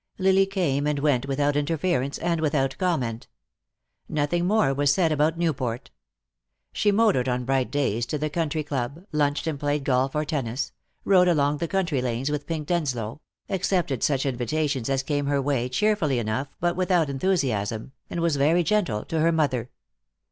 Lily came and went without interference, and without comment. Nothing more was said about Newport. She motored on bright days to the country club, lunched and played golf or tennis, rode along the country lanes with Pink Denslow, accepted such invitations as came her way cheerfully enough but without enthusiasm, and was very gentle to her mother.